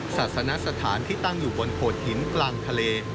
ศาสนสถานที่ตั้งอยู่บนโขดหินกลางทะเล